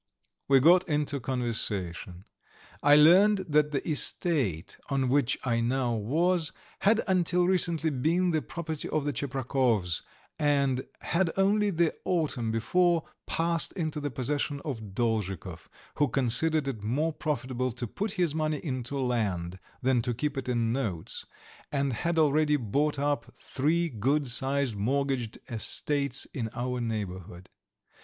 We got into conversation. I learned that the estate on which I now was had until recently been the property of the Tcheprakovs, and had only the autumn before passed into the possession of Dolzhikov, who considered it more profitable to put his money into land than to keep it in notes, and had already bought up three good sized mortgaged estates in our neighbourhood.